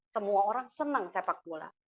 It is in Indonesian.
semua orang senang sepak bola